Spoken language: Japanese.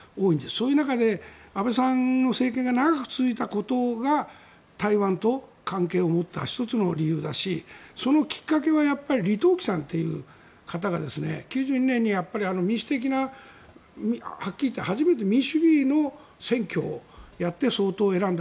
そういう中で安倍さんの政権が長く続いたことが台湾と関係を持った１つの理由だしそのきっかけは李登輝さんっていう方が９２年に民主的なはっきり言って初めて民主主義の選挙をやって総統を選んだ。